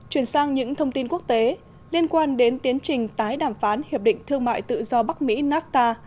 chuyển sang những thông tin quốc tế liên quan đến tiến trình tái đàm phán hiệp định thương mại tự do bắc mỹ nafta